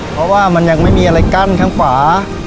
เพราะว่ามันยังไม่มีอะไรกั้นข้างขวา